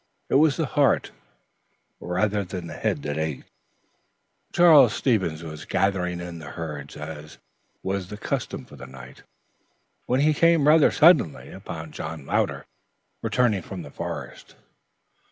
It was the heart rather than the head that ached. Charles Stevens was gathering in the herds as was the custom for the night, when he came rather suddenly upon John Louder, returning from the forest.